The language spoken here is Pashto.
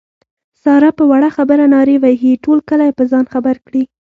ساره په وړه خبره نارې وهي ټول کلی په ځان خبر کړي.